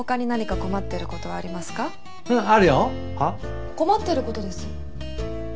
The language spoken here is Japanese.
困ってる事です。